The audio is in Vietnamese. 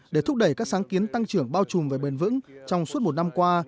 để thúc đẩy các sáng kiến tăng trưởng bao trùm và bền vững trong suốt một năm qua